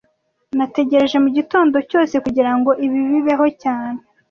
Nategereje mugitondo cyose kugirango ibi bibeho cyane